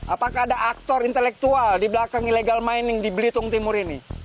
apakah ada aktor intelektual di belakang illegal mining di belitung timur ini